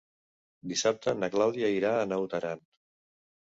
Dissabte na Clàudia irà a Naut Aran.